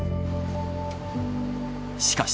しかし。